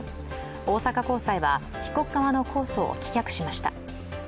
大阪高裁は、被告側の控訴を棄却しました。